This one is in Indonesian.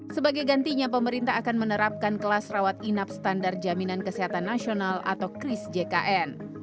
sebagai gantinya pemerintah akan menerapkan kelas rawat inap standar jaminan kesehatan nasional atau kris jkn